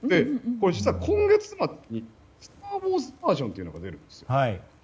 これ、実は今月末に「スター・ウォーズ」バージョンっていうのが出るんですよ。